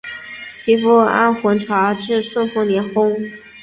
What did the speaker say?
其父按浑察至顺元年薨。